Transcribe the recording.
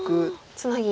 ツナギ。